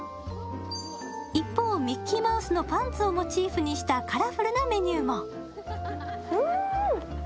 一方、ミッキーマウスのパンツをモチーフにしたカラフルなメニューも。